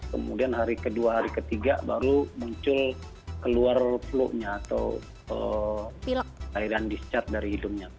kemudian hari kedua hari ketiga baru muncul keluar flu nya atau cairan dischart dari hidungnya